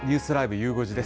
ゆう５時です。